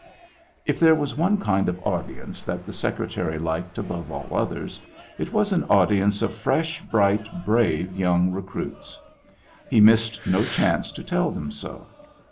If there was one kind of audience that the Secretary liked above all others, it was an audi ence of fresh, bright, brave, young recruits. He missed no chance to tell them so.